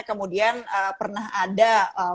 kemudian pernah ada